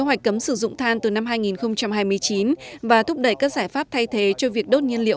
hoạch cấm sử dụng than từ năm hai nghìn hai mươi chín và thúc đẩy các giải pháp thay thế cho việc đốt nhiên liệu